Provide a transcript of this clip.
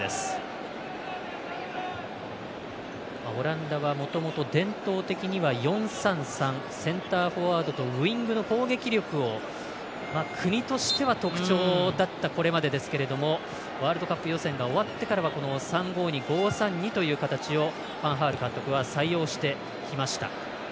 オランダは、もともと伝統的には４‐３‐３センターフォワードとウイングの攻撃力を国としては特徴だったこれまでですけどもワールドカップ予選が終わってからはこの３‐５‐２５‐３‐２という形をファン・ハール監督は採用してきました。